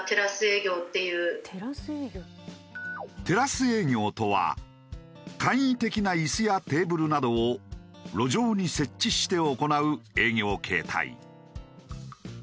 テラス営業とは簡易的なイスやテーブルなどを路上に設置して行う営業形態。